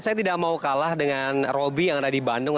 saya tidak mau kalah dengan roby yang ada di bandung